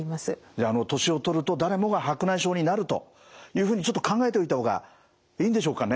じゃああの年を取ると誰もが白内障になるというふうにちょっと考えておいた方がいいんでしょうかね？